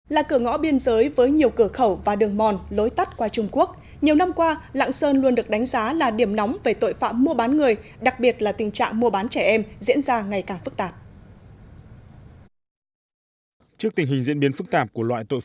là cửa ngõ biên giới với nhiều cửa khẩu và đường mòn lối tắt qua trung quốc nhiều năm qua lạng sơn luôn được đánh giá là điểm nóng về tội phạm mua bán người đặc biệt là tình trạng mua bán trẻ em diễn ra ngày càng phức tạp